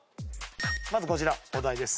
まずこちらお題です。